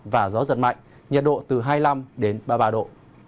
và gió giật mạnh nhiệt độ từ hai mươi năm đến ba mươi ba độ